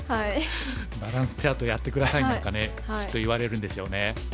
「バランスチャートやって下さい」なんかねきっと言われるんでしょうね。